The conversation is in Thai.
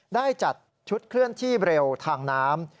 ได้จัดชุดเคลื่อนที่เร็วทางน้ำ